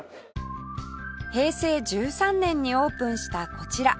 平成１３年にオープンしたこちら